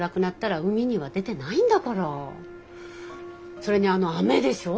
それにあの雨でしょ？